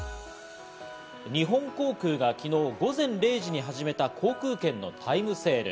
日本航空が昨日午前０時に始めた航空券のタイムセール。